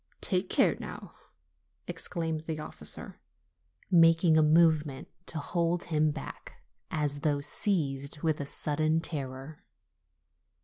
'Take care, now!" exclaimed the officer, making a movement to hold him back, as though seized with a sudden terror.